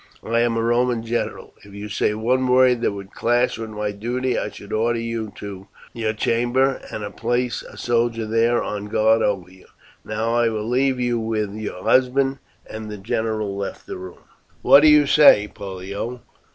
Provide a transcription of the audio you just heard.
I am a Roman general. If you say one word that would clash with my duty I should order you to your chamber and place a soldier there on guard over you. Now I will leave you with your husband;" and the general left the room. "What do you say, Pollio?